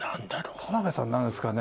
田辺さん何ですかね？